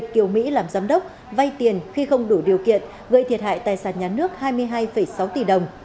khi không đủ điều kiện gây thiệt hại tài sản nhà nước hai mươi hai sáu tỷ đồng